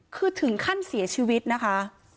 คือถึงขั้นเสียชีวิตนะคะ